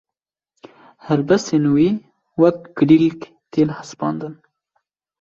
helbestên wî wek kulîlk tên hesibandin